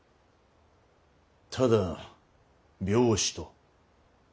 ただ病死と。